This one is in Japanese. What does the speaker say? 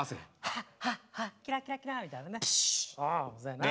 ハッハッハキラキラキラみたいなね。